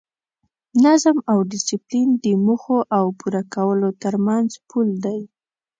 نظم او ډیسپلین د موخو او پوره کولو ترمنځ پل دی.